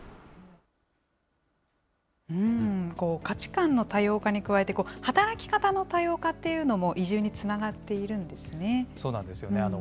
価値観の多様化に加えて、働き方の多様化っていうのも移住につながっているんですね。